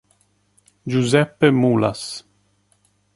Giuseppe Mulas